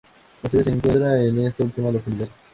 La sede se encuentra en esta última localidad.